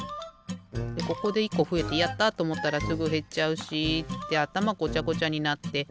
でここで１こふえて「やった！」とおもったらすぐへっちゃうしってあたまごちゃごちゃになってさいご